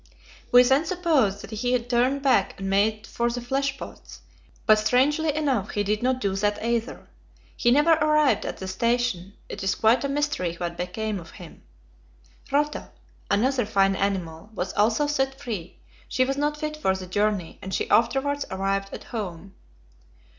We then supposed that he had turned back and made for the flesh pots, but, strangely enough, he did not do that either. He never arrived at the station; it is quite a mystery what became of him. Rotta, another fine animal, was also set free; she was not fit for the journey, and she afterwards arrived at home.